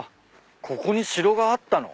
ここに城があったの？